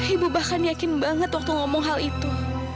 ibu bahkan yakin banget waktu ngomong hal itu